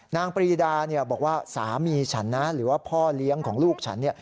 ปรีดาบอกว่าสามีฉันนะหรือว่าพ่อเลี้ยงของลูกฉัน